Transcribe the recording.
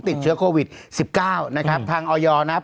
ติดเชื้อโควิด๑๙ทางออยนะครับ